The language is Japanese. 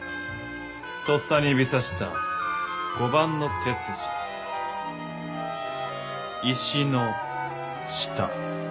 とっさに指さした碁盤の手筋「石の下」。